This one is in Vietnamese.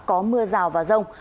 có mưa rào và rông